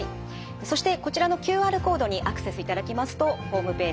そしてこちらのＱＲコードにアクセスいただきますとホームページ